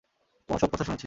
তোমার সব কথা শুনেছি।